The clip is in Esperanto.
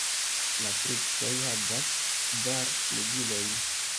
La fruktoj havas kvar flugilojn.